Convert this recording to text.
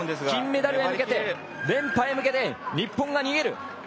金メダルに向けて連覇へ向けて、日本が逃げる。